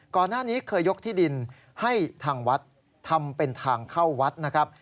ก่อนหน้านี้เคยยกที่ดินให้ทางวัดทำเป็นทางเข้าวัดนะครับ